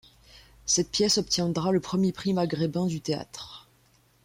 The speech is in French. Cette pièce obtiendra le premier prix maghrébin du théâtre.